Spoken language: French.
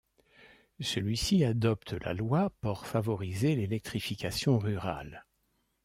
Celui-ci adopte la Loi por favoriser l'électrification rurale.